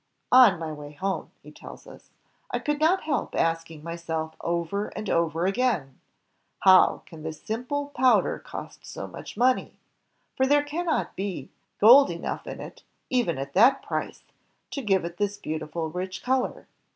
"On my way home," he tells us, "I could not help asking myself over and over again, 'How can this simple ... powder cost so much money?' for there cannot be gold enough in it, even at that price, to give it this beautiful rich color.